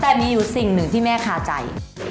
แต่มีอยู่สิ่งหนึ่งที่แม่คาใจ